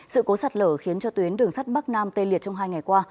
sự cố sạt lở khiến cho tuyến đường sắt bắc nam tê liệt trong hai ngày qua